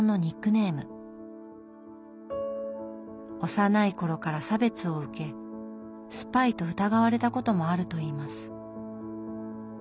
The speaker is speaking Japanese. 幼い頃から差別を受けスパイと疑われたこともあるといいます。